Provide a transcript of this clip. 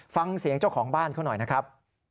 ฟังเสียงเจ้าของบ้านเขาหน่อยนะครับ